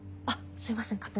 あっすいません